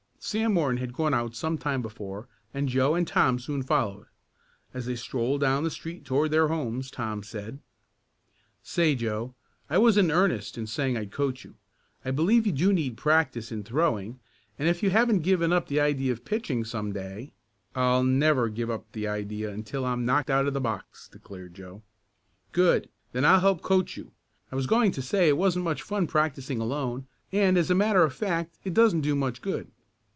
Sam Morton had gone out some time before and Joe and Tom soon followed. As they strolled down the street toward their homes Tom said: "Say Joe, I was in earnest in saying I'd coach you. I believe you do need practice in throwing, and if you haven't given up the idea of pitching some day " "I'll never give up the idea until I'm knocked out of the box," declared Joe. "Good! Then I'll help coach you. I was going to say it wasn't much fun practicing alone, and as a matter of fact it doesn't do much good."